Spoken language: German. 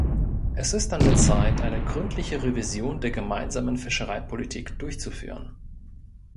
Es ist an der Zeit, eine gründliche Revision der gemeinsamen Fischereipolitik durchzuführen.